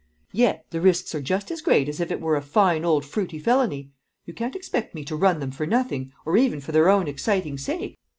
Yet the risks are just as great as if it were a fine old fruity felony; you can't expect me to run them for nothing, or even for their own exciting sake.